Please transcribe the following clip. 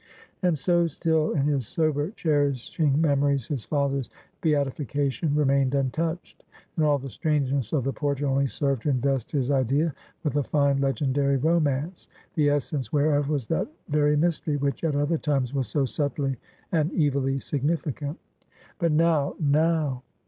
And so still in his sober, cherishing memories, his father's beatification remained untouched; and all the strangeness of the portrait only served to invest his idea with a fine, legendary romance; the essence whereof was that very mystery, which at other times was so subtly and evilly significant. But now, _now!